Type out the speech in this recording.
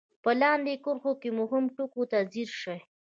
په لاندې کرښو کې مهمو ټکو ته ځير شئ.